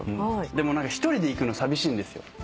でも一人で行くの寂しいんですよ。